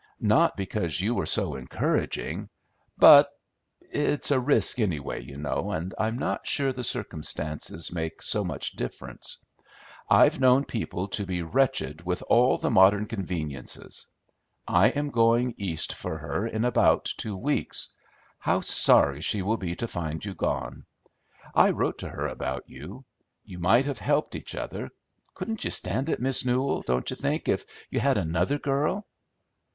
Not because you were so encouraging, but it's a risk anyway, you know, and I'm not sure the circumstances make so much difference. I've known people to be wretched with all the modern conveniences. I am going East for her in about two weeks. How sorry she will be to find you gone! I wrote to her about you. You might have helped each other; couldn't you stand it, Miss Newell, don't you think, if you had another girl?"